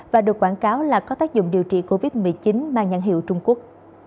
và được quảng cáo là có tác dụng điều trị covid một mươi chín mang nhãn hiệu trung quốc